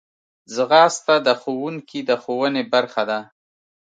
ځغاسته د ښوونکي د ښوونې برخه ده